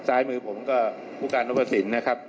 ซ้ายมือผมก็ผู้การรับประสิทธิ์นะครับ